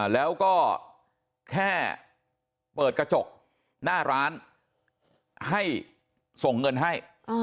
แล้วก็แค่เปิดกระจกหน้าร้านให้ส่งเงินให้